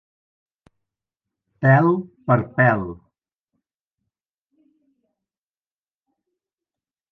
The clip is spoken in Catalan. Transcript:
Pèl per pèl.